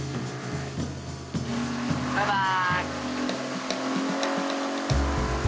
「バイバーイ」